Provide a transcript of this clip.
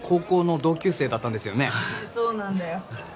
そうなんだよ。